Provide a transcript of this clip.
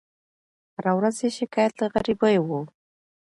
هره ورځ یې شکایت له غریبۍ وو